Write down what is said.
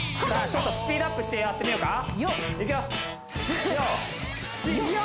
ちょっとスピードアップしてやってみようかいくよ「４・Ｃ・Ｏ」